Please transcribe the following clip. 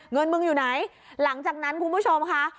เงินมึงอยู่ไหนหลังจากนั้นคุณผู้ชมค่ะ